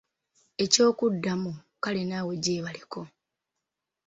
Eky'okuddamu “kale naawe gyebaleko”.